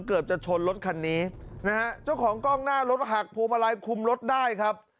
เกือบจะชนรถคันนี้นะฮะเจ้าของกล้องหน้ารถหักพวงมาลัยคุมรถได้ครับ